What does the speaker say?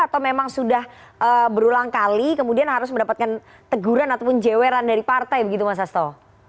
atau memang sudah berulang kali kemudian harus mendapatkan teguran ataupun jeweran dari partai begitu mas asto